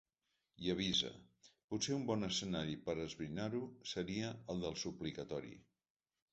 I avisa: potser un bon escenari per a esbrinar-ho seria el del suplicatori.